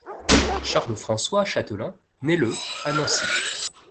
Charles François Chatelain naît le à Nancy.